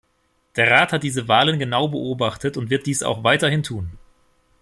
Der Rat hat diese Wahlen genau beobachtet und wird dies auch weiterhin tun.